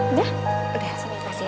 udah udah kasih ya sayang